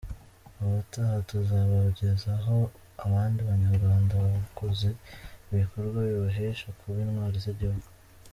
Ubutaha tuzabagezaho abandi banyarwanda bakoze ibikorwa bibahesha kuba Intwari z'igihugu.